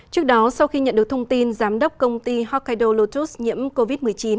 trước đó sau khi nhận được thông tin giám đốc công ty hokkaido lotus nhiễm covid một mươi chín